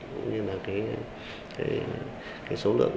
cũng như là cái số lượng